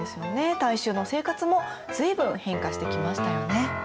大衆の生活も随分変化してきましたよね。